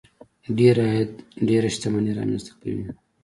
ډېر عاید ډېره شتمني رامنځته کوي.